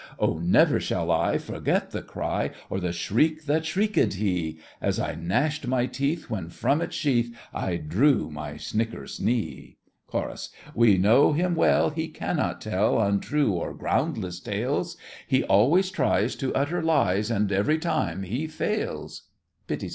Oh, never shall I Forget the cry, Or the shriek that shrieked he, As I gnashed my teeth, When from its sheath I drew my snickersnee! CHORUS. We know him well, He cannot tell Untrue or groundless tales— He always tries To utter lies, And every time he fails. PITTI.